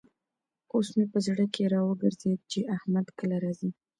اوس مې په زړه کې را وګرزېد چې احمد کله راځي.